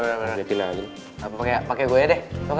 pake gue deh lo kan gak punya pulsa kan